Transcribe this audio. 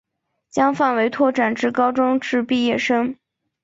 将范围拓展至高中职毕业生